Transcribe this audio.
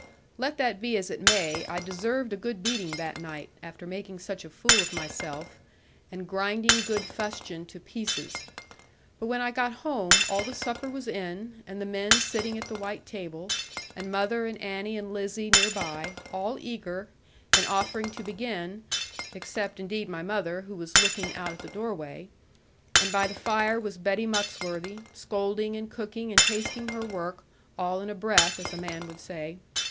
Let that be as it may, I deserved a good beating that night, after making such a fool of myself, and grinding good fustian to pieces. But when I got home, all the supper was in, and the men sitting at the white table, and mother and Annie and Lizzie near by, all eager, and offering to begin (except, indeed, my mother, who was looking out at the doorway), and by the fire was Betty Muxworthy, scolding, and cooking, and tasting her work, all in a breath, as a man would say.